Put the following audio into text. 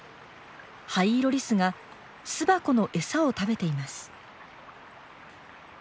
ハイイロリスが巣箱のを食べています。